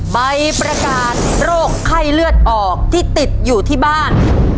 ใบประกาศโรคไข้เลือดออกที่ติดอยู่ที่บ้าน